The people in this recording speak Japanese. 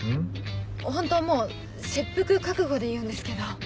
ホントもう切腹覚悟で言うんですけど。